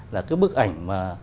là cái bức ảnh mà